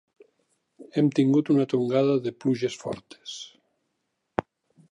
Hem tingut una tongada de pluges fortes.